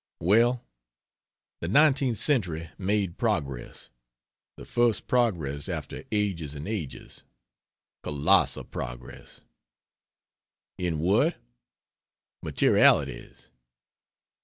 Well, the 19th century made progress the first progress after "ages and ages" colossal progress. In what? Materialities.